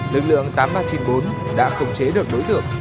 lực lượng tám nghìn ba trăm chín mươi bốn đã khống chế được đối tượng